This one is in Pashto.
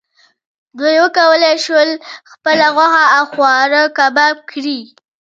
دوی وکولی شول خپله غوښه او خواړه کباب کړي.